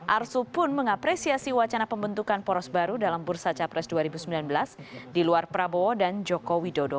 arsul pun mengapresiasi wacana pembentukan poros baru dalam bursa capres dua ribu sembilan belas di luar prabowo dan joko widodo